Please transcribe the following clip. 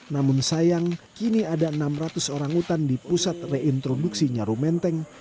namun sayang kini ada enam ratus orangutan di pusat reintroduksi nyaru menteng